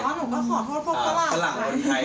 แต่ว่าหนูก็ขอโทษพวกฝรั่ง